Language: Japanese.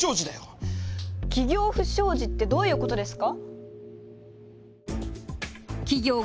「企業不祥事」ってどういうことですか？